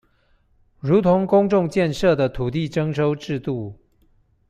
如同公眾建設的土地徵收制度